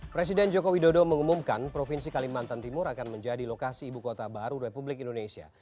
presiden joko widodo mengumumkan provinsi kalimantan timur akan menjadi lokasi ibu kota baru republik indonesia